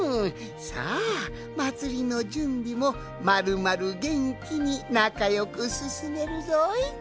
さあまつりのじゅんびもまるまるげんきになかよくすすめるぞい！